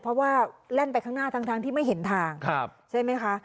เพราะว่าแล่นไปข้างหน้าทั้งที่ไม่เห็นทางใช่ไหมคะ